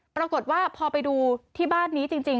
ปรากฏว่าพอไปดูที่บ้านนี้จริง